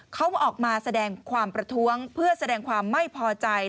เขาออกมาแสดงความประท้วงเพื่อแสดงความไม่พอใจ